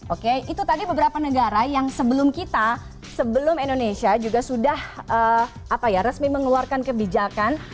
oke itu tadi beberapa negara yang sebelum kita sebelum indonesia juga sudah resmi mengeluarkan kebijakan